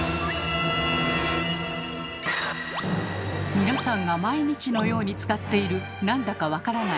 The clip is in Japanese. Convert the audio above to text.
皆さんが毎日のように使っている何だか分からない